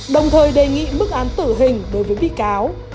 đồng thời đề nghị mức án tử hình đối với bị cáo